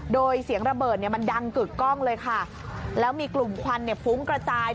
โดยเสียงระเบิดเนี่ยมันดังกึกกล้องเลยค่ะแล้วมีกลุ่มควันเนี่ยฟุ้งกระจาย